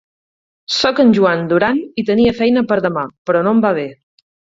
Soc en Joan Duran i tenia feina per demà, però no em va bé.